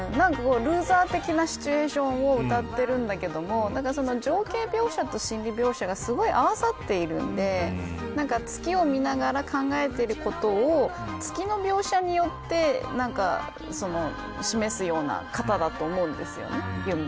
ルーザー的なシチュエーションを歌っているんですが情景描写と心理描写がすごい合わさっているので月を見ながら考えていることを月の描写によって示すような方だと思うんですよね